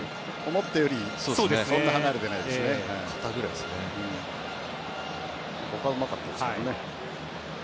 思ったよりそんなに離れてなかったですね。